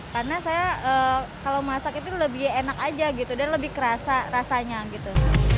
karena saya kalau masak itu lebih enak aja gitu dan lebih kerasa rasanya gitu